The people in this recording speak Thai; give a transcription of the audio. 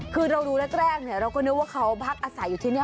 คือเราดูแรกเราก็นึกว่าเขาพักอาศัยอยู่ที่นี่